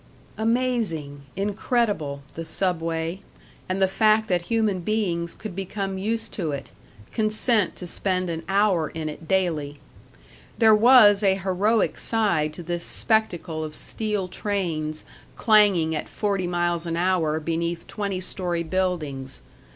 Amazing, incredible, the Subway, and the fact that human beings could become used to it, consent to spend an hour in it daily. There was a heroic side to this spectacle of steel trains clanging at forty miles an hour beneath twenty story buildings.